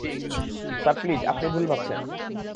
Sir, please, আপনি ভুল ভাবছেন।